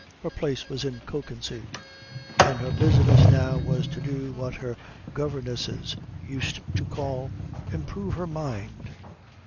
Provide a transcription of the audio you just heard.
Her place was in Kökensee, and her business now was to do what her governesses used to call improve her mind.